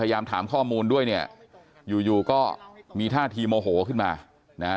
พยายามถามข้อมูลด้วยเนี่ยอยู่อยู่ก็มีท่าทีโมโหขึ้นมานะฮะ